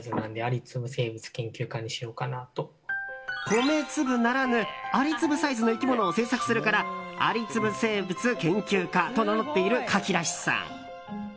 米粒ならぬ蟻粒サイズの生き物を制作するから蟻粒生物研究家と名乗っているかきらしさん。